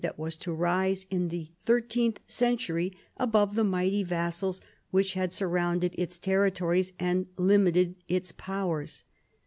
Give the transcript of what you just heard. that was to rise in the thirteenth century above the mighty vassals which had surrounded its territories and limited its powers.